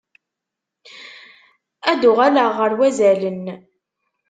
Ad d-uɣaleɣ ɣer wazalen.